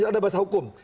jadi ada bahasa hukum